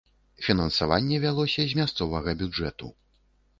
Фінансаванне вялося з мясцовага бюджэту.